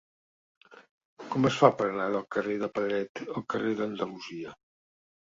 Com es fa per anar del carrer de Pedret al carrer d'Andalusia?